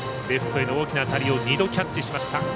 レフトへの大きな当たりを２度キャッチしました。